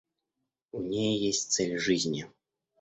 У ней есть цель жизни.